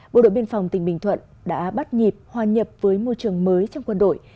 bộ đội biên phòng tỉnh bình thuận đã bắt nhịp hoàn nhập với môi trường mới trong quân đội